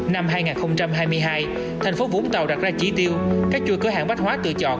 năm hai nghìn hai mươi hai thành phố vũng tàu đặt ra chỉ tiêu các chuỗi cửa hàng bách hóa tự chọn